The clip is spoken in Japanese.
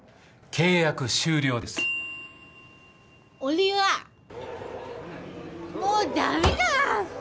契約終了ですおりはもうダミだ！